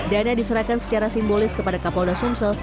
dana diserahkan secara simbolis kepada kapolda sumsel